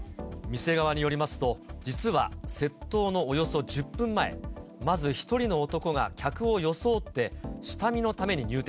店側によりますと、実は、窃盗のおよそ１０分前、まず１人の男が客を装って下見のために入店。